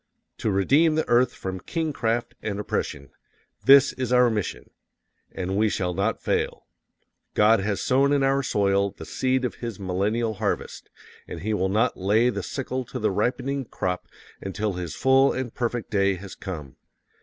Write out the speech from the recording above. To redeem the earth from kingcraft and oppression THIS IS OUR MISSION! AND WE SHALL NOT FAIL._ God has sown in our soil the seed of His millennial harvest, and He will not lay the sickle to the ripening crop until His full and perfect day has come.